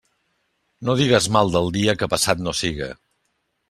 No digues mal del dia, que passat no siga.